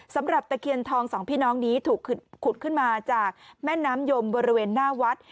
ตะเคียนทองสองพี่น้องนี้ถูกขุดขึ้นมาจากแม่น้ำยมบริเวณหน้าวัด